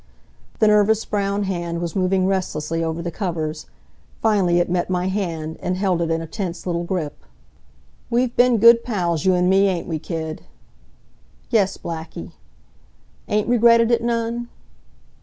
The nervous brown hand was moving restlessly over the covers. Finally it met my hand, and held it in a tense little grip. "We've been good pals, you and me, ain't we, kid?" "Yes, Blackie." "Ain't regretted it none?"